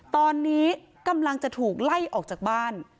ตอนนี้กำลังจะถูกไล่ออกจากบ้าน